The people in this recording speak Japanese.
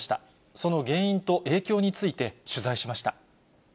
その原因と影響について取材しま